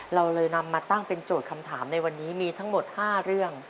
เราเลยนำมาตั้งเป็นโจทย์คำถามในวันนี้มีทั้งหมด๕เรื่อง